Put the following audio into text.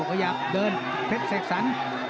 ขยับเดินเพชรเสกสรร